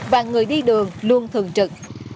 và người đi đường luôn thường trực